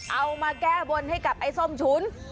เอามาแก้บนให้กับไอ้ส้มฉุน